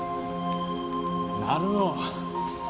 成尾。